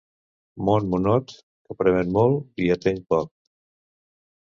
Món, monot, que promet molt i ateny poc.